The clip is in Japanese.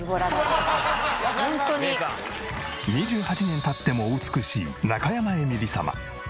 ２８年経ってもお美しい中山エミリ様。